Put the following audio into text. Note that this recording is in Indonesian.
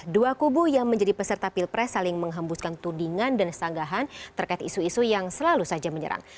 dua kubu yang menjadi peserta pilpres saling menghembuskan tudingan dan sanggahan terkait isu isu yang selalu saja menyerang